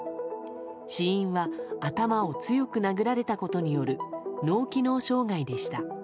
死因は頭を強く殴られたことによる脳機能障害でした。